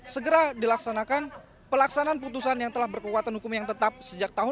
segera dilaksanakan pelaksanaan putusan yang telah berkekuatan hukum yang tetap sejak tahun dua ribu